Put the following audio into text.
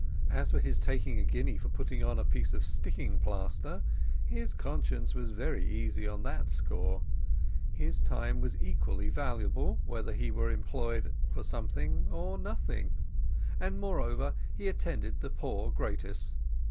As for his taking a guinea for putting on a piece of sticking plaster, his conscience was very easy on that score. His time was equally valuable, whether he were employed for something or nothing; and, moreover, he attended the poor gratis.